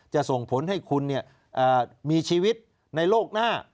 จะส่งผลให้คุณมีชีวิตในโลกหน้า